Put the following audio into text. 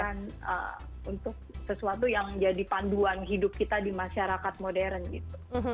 dan untuk sesuatu yang menjadi panduan hidup kita di masyarakat modern gitu